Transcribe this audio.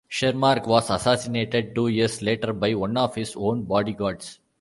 Shermarke was assassinated two years later by one of his own bodyguards.